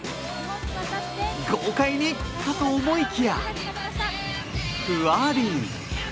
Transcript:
豪快にかと思いきや、ふわり。